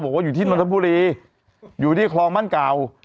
บอกว่าอยู่ที่ตำบลบบุรีอยู่ที่คลองบ้านเก่า